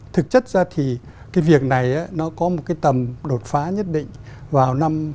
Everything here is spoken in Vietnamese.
thực chất ra thì cái việc này nó có một cái tầm đột phá nhất định vào năm hai nghìn hai mươi